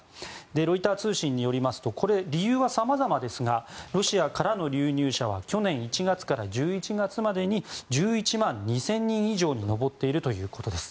ロイター通信によりますと理由はさまざまですがロシアからの流入者は去年１月から１１月までに１１万２０００人以上に上っているということです。